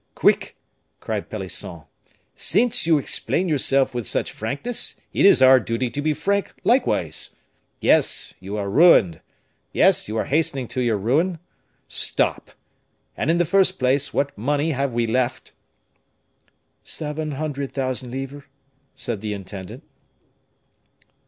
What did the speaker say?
"Quick!" cried Pelisson. "Since you explain yourself with such frankness, it is our duty to be frank, likewise. Yes, you are ruined yes, you are hastening to your ruin stop. And, in the first place, what money have we left?" "Seven hundred thousand livres," said the intendant.